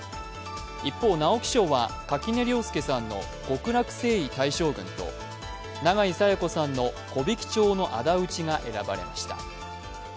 一方、直木賞は垣根涼介さんの「極楽征夷大将軍」と永井紗耶子さんの「木挽町のあだ討ち」が選ばれました。